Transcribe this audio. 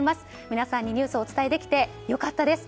皆さんにニュースをお伝えできて良かったです。